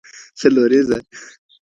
ځلوريځه